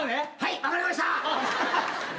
分かりました。